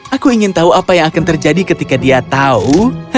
aku ingin tahu apa yang akan terjadi ketika dia tahu